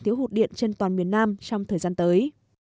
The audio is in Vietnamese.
thiếu hụt điện trên toàn miền nam trong thời gian tới